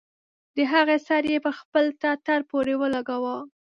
د هغې سر يې پر خپل ټټر پورې ولګاوه.